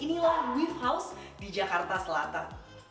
inilah wave house di jakarta selatan